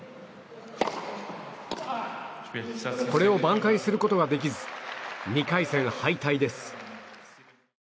これを挽回することができず２回戦敗退です。